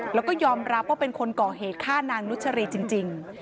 แล้วก็ยอมรับว่าเป็นคนก่อเหตุฆ่านางนุชรีจริง